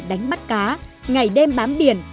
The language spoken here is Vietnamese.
đánh bắt cá ngày đêm bám biển